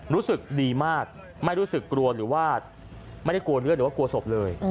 รู้สึกดีมากไม่รู้สึกกลัวหรือว่าไม่ได้กลัวเลือดหรือว่ากลัวศพเลย